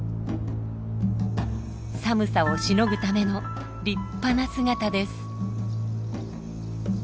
寒さをしのぐための立派な姿です。